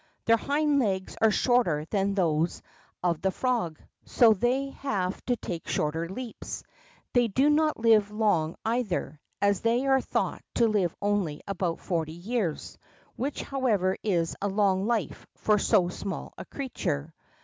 Their hind legs are shorter than those of the frog, so they have to take shorter leaps. They do not live long, either, as they are thought to live only about forty years, which, however, is a long, long life for so small a creature.